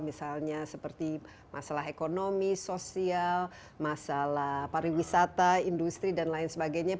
misalnya seperti masalah ekonomi sosial masalah pariwisata industri dan lain sebagainya